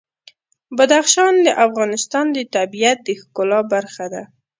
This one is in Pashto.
بدخشان د افغانستان د طبیعت د ښکلا برخه ده.